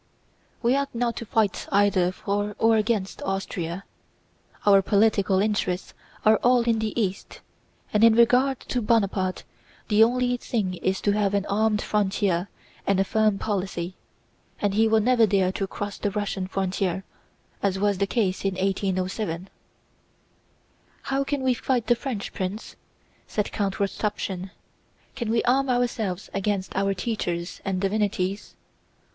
"We ought not to fight either for or against Austria. Our political interests are all in the East, and in regard to Bonaparte the only thing is to have an armed frontier and a firm policy, and he will never dare to cross the Russian frontier, as was the case in 1807!" "How can we fight the French, Prince?" said Count Rostopchín. "Can we arm ourselves against our teachers and divinities?